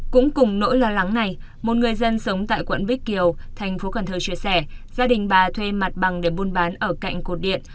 cũng cùng nỗi lo lắng này một người dân sống tại quận bích kiều thành phố cần thơ chia sẻ gia đình bà thuê mặt bằng để buôn bán ở cạnh cột điện